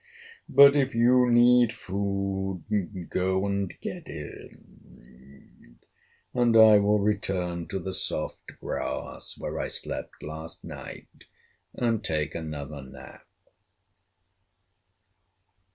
But if you need food, go and get it, and I will return to the soft grass where I slept last night and take another nap."